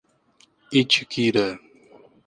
Itiquira